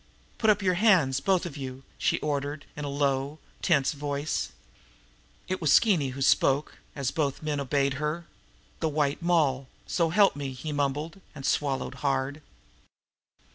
"Put up your hands both of you!" she ordered, in a low, tense voice. It was Skeeny who spoke, as both men obeyed her. "The White Moll, so help me!" he mumbled, and swallowed hard.